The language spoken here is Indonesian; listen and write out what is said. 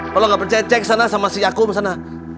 kalau nggak percaya cek sana sama si yakum sana